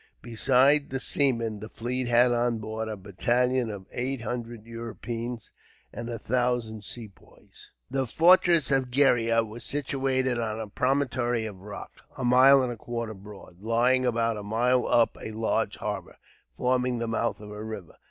Besides the seamen, the fleet had on board a battalion of eight hundred Europeans and a thousand Sepoys. The fortress of Gheriah was situated on a promontory of rock, a mile and a quarter broad; lying about a mile up a large harbour, forming the mouth of a river.